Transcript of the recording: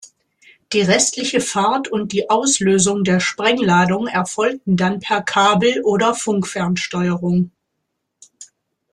Die restliche Fahrt und die Auslösung der Sprengladung erfolgten dann per Kabel- oder Funkfernsteuerung.